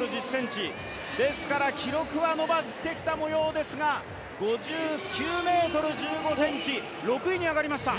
ですから記録は伸ばしてきた模様ですが５９ｍ１５ｃｍ、６位に上がりました。